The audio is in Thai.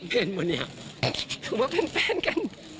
เป็นวันนี้หรอถึงว่าเป็นแฟนกัน